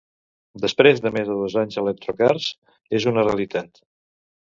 Després de més de dos anys, Electrokars, és una realitat.